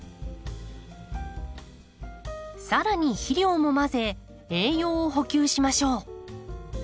さらに肥料も混ぜ栄養を補給しましょう。